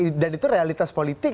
apalagi pns masih punya hak politik